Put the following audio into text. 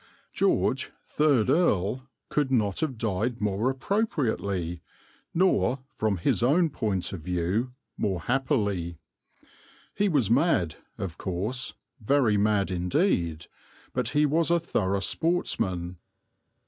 George, third earl, could not have died more appropriately, nor, from his own point of view, more happily. He was mad, of course, very mad indeed; but he was a thorough sportsman.